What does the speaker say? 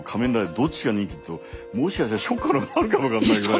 どっちが人気っていうともしかしたらショッカーの方があるかも分かんないぐらい。